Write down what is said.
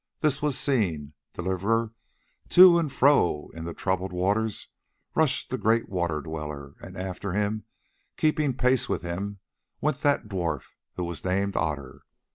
this was seen, Deliverer: to and fro in the troubled waters rushed the great Water Dweller, and after him, keeping pace with him, went that dwarf who was named Otter.